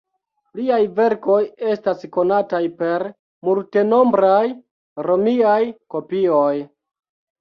Liaj verkoj estas konataj per multenombraj romiaj kopioj.